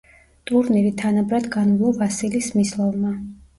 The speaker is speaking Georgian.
ტურნირი თანაბრად განვლო ვასილი სმისლოვმა.